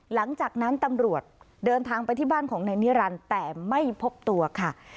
หลังจากนั้นตำรวจเดินทางไปที่บ้านของนายนิรันดิ์แต่ไม่พบตัวค่ะ